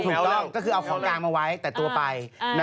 ถูกต้องก็คือเอาของกลางมาไว้แต่ตัวไป